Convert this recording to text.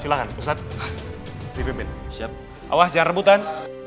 silakan pusat di bimbing siap awas jangan rebutan